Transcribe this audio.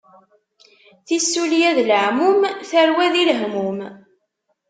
Tissulya d leɛmum, tarwa di lehmum.